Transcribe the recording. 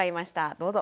どうぞ。